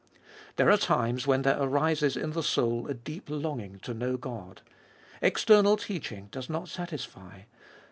2. There are times when there arises in the soul a deep longing to know God. External teaching does not satisfy.